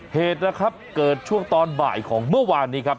เหตุนะครับเกิดช่วงตอนบ่ายของเมื่อวานนี้ครับ